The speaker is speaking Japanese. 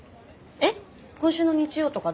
えっ。